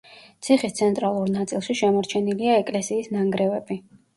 ციხის ცენტრალურ ნაწილში შემორჩენილია ეკლესიის ნანგრევები.